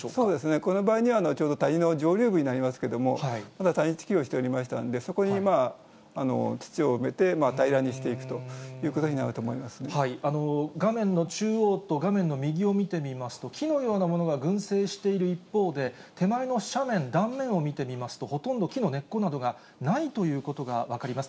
この場合にはちょうど谷の上流部になりますけれども、をしていましたんで、そこに土を入れて、平らにしていくということになる画面の中央と画面の右を見てみますと、群生している一方で、手前の斜面、断面を見てみますと、ほとんど木の根っこなどがないということが分かります。